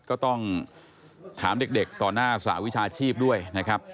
ก็ต้องถามเด็กต่อหน้าสหวิชาชีพด้วยนะครับ